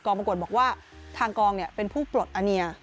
ปรากฏบอกว่าทางกองเป็นผู้ปลดอาเนีย